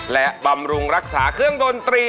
และบำรุงรักษาเครื่องดนตรี